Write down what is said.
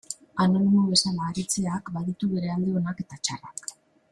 Anonimo bezala aritzeak baditu bere alde onak eta txarrak.